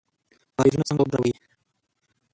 کاریزونه څنګه اوبه راوړي؟